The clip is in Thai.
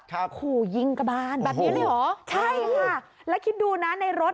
ค่ะคู่ยิงตะบานแบบเนี้ยหรอใช่ค่ะและคิดดูนะในรถ